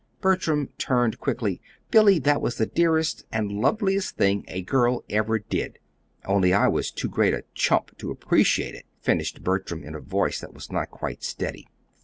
Bertram turned quickly. "Billy, that was the dearest and loveliest thing a girl ever did only I was too great a chump to appreciate it!" finished Bertram in a voice that was not quite steady.